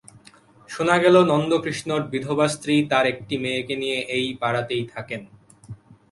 শোনা গেল, নন্দকৃষ্ণর বিধবা স্ত্রী তাঁর একটি মেয়েকে নিয়ে এই পাড়াতেই থাকেন।